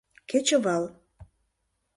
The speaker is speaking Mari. Кечывал